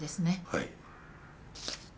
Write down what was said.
はい。